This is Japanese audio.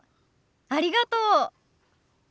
ありがとう。